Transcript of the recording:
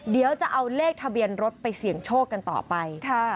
เดี๋ยวจะเอาเลขทะเบียนรถไปเสี่ยงโชคกันต่อไป